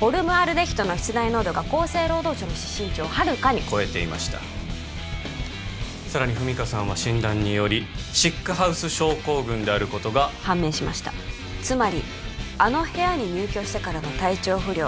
ホルムアルデヒドの室内濃度が厚生労働省の指針値をはるかに超えていましたさらに文香さんは診断によりシックハウス症候群であることが判明しましたつまりあの部屋に入居してからの体調不良